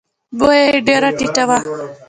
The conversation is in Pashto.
بویه یې ډېره ټیټه وه.